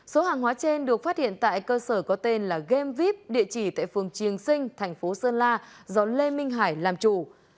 số hàng hóa trên được phát hiện tại cơ sở có tên là gamevip địa chỉ tại phường triềng sinh thành phố sơn la do lê minh hải làm chủ